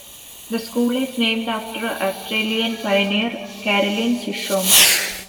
The school is named after Australian pioneer Caroline Chisholm.